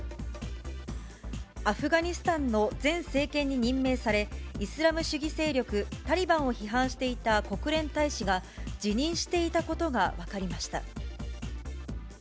アフガニスタンの前政権に任命され、イスラム主義勢力タリバンを批判していた国連大使が、辞任していたことが分かりました。